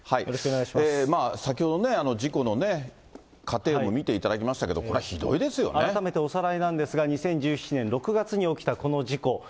先ほど事故の過程も見ていただきましたけれども、これはひど改めておさらいなんですが、２０１７年６月に起きたこの事故。